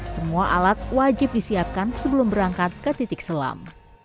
semua alat wajib disiapkan sebelum berangkat ke titik selam